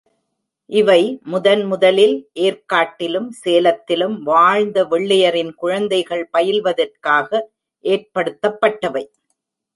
இவை முதன் முதலில் ஏர்க்காட்டிலும் சேலத்திலும் வாழ்ந்த வெள்ளையரின் குழந்தைகள் பயில்வதற்காக ஏற்படுத்தப்பட்டவை.